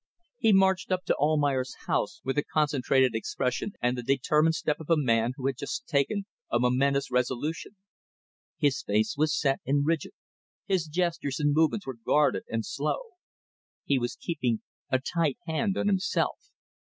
He marched up to Almayer's house with the concentrated expression and the determined step of a man who had just taken a momentous resolution. His face was set and rigid, his gestures and movements were guarded and slow. He was keeping a tight hand on himself.